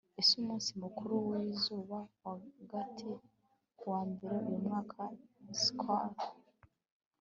ese umunsi mukuru wizuba rwagati kuwa mbere uyu mwaka? sysko